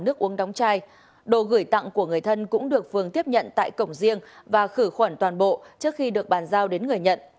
nước uống đóng chai đồ gửi tặng của người thân cũng được phường tiếp nhận tại cổng riêng và khử khuẩn toàn bộ trước khi được bàn giao đến người nhận